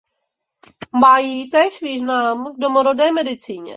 Mají též význam v domorodé medicíně.